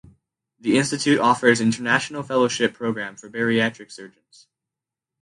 The institute offers international fellowship programme for bariatric surgeons.